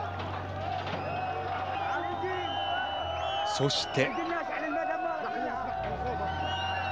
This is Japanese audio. そして。